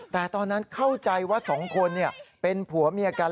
แต่ตอนนั้นเข้าใจว่าสองคนเป็นผัวเมียกัน